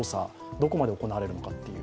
どこまで行われるのか。